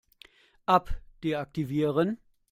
App deaktivieren.